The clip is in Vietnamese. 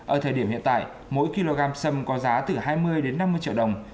ở thời điểm hiện tại mỗi kg sâm có giá từ hai mươi đến năm mươi triệu đồng